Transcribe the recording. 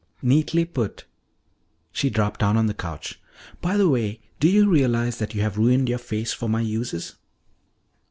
"Neatly put." She dropped down on the couch. "By the way, do you realize that you have ruined your face for my uses?"